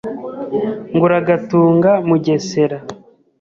Ngo uragatunga Mugesera